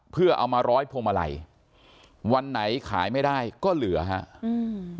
เพื่อเอามาร้อยพวงมาลัยวันไหนขายไม่ได้ก็เหลือฮะอืม